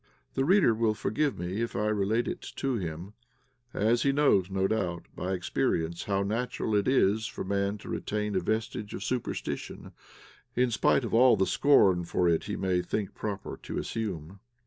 The reader will forgive me if I relate it to him, as he knows, no doubt, by experience how natural it is for man to retain a vestige of superstition in spite of all the scorn for it he may think proper to assume.